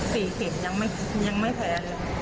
สีเข็ดยังไม่แพ้เลย